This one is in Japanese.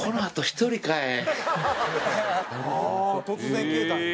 ああ突然消えたんや。